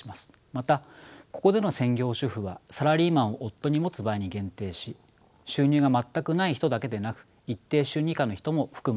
またここでの専業主婦はサラリーマンを夫に持つ場合に限定し収入が全くない人だけでなく一定収入以下の人も含むものとします。